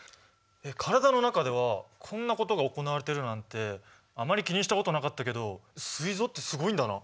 体の中ではこんなことが行われているなんてあまり気にしたことなかったけどすい臓ってすごいんだな！